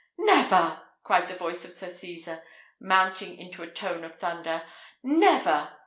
"Never!" cried the voice of Sir Cesar, mounting into a tone of thunder; "never!"